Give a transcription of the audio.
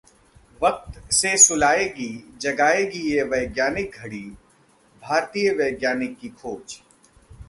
वक्त से सुलाएगी, जगाएगी ये वैज्ञानिक घड़ी, भारतीय वैज्ञानिक की खोज